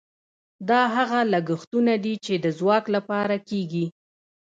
دا هغه لګښتونه دي چې د ځواک لپاره کیږي.